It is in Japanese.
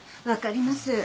分かります。